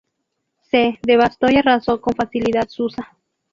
C devastó y arrasó con facilidad Susa.